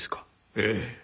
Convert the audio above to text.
ええ。